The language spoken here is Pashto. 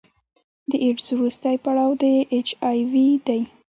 د ایډز وروستی پړاو د اچ آی وي دی.